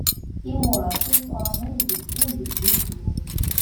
Imuras imeqqranen beddun deg yulyu.